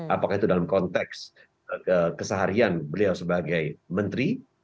apakah itu dalam konteks keseharian beliau sebagai menteri